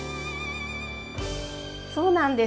そうなんです。